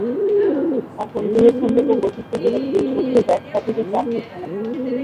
আর পর্যবেক্ষণযোগ্য বৈশিষ্ট্য হলো সেই তথ্যের "ব্যাখ্যা" থেকে প্রাপ্ত ফলাফল।